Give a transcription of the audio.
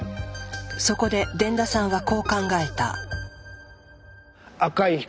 そこで傳田さんはこう考えた。